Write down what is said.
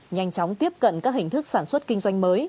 nhanh chóng tiếp cận các hình thức sản xuất kinh doanh mới